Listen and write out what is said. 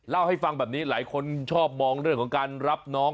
เล่าให้ฟังแบบนี้หลายคนชอบมองเรื่องของการรับน้อง